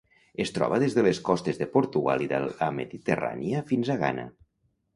Es troba des de les costes de Portugal i de la Mediterrània fins a Ghana.